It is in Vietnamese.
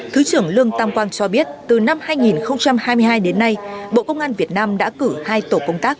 thứ trưởng lương tam quang cho biết từ năm hai nghìn hai mươi hai đến nay bộ công an việt nam đã cử hai tổ công tác